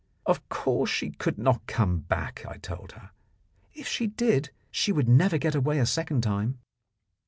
Of course she could not come back, I told her. If she did she would never get away a second time.